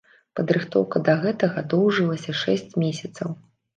Падрыхтоўка да гэтага доўжылася шэсць месяцаў.